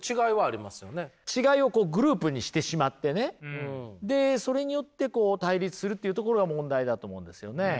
違いをこうグループにしてしまってねでそれによってこう対立するっていうところが問題だと思うんですよね。